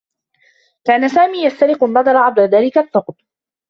كان سامي يسترق النّظر عبر ذلك الثّقب.